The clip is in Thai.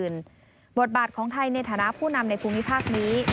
บทบาทของไทยในฐานะผู้นำในภูมิภาคนี้